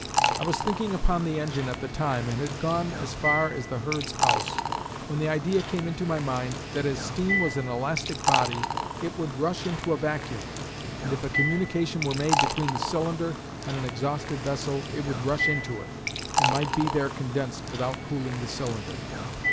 I was thinking upon the engine at the time, and had gone as far as the herd's house, when the idea came into my mind that as steam was an elastic body it would rush into a vacuum, and if a communication were made between the cylinder and an exhausted vessel it would rush into it, and might be there condensed without cooling the cylinder.